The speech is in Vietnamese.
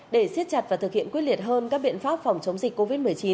để siết chặt và thực hiện quyết liệt hơn các biện pháp phòng chống dịch covid một mươi chín